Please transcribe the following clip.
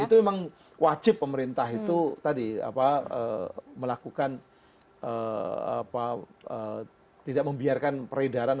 dan itu memang wajib pemerintah itu melakukan tidak membiarkan peredaran atau peredaran